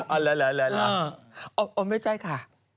อ่ะไม่ใช่ค่ะ